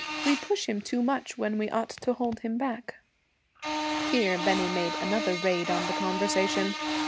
We push him too much when we ought to hold him back.' Here Bennie made another raid on the conversation.